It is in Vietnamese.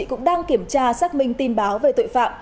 cũng đang kiểm tra xác minh tin báo về tội phạm